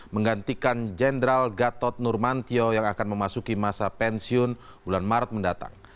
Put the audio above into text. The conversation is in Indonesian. menggantikan jenderal gatot nurmantio yang akan memasuki masa pensiun bulan maret mendatang